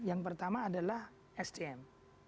yang pertama adalah sdm